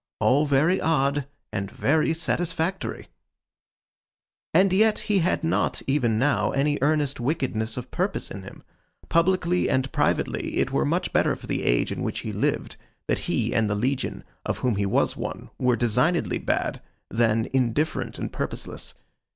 All very odd, and very satisfactory! And yet he had not, even now, any earnest wickedness of purpose in him. Publicly and privately, it were much better for the age in which he lived, that he and the legion of whom he was one were designedly bad, than indifferent and purposeless.